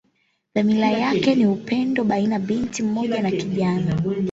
Dhamira yake ni upendo baina binti mmoja na kijana.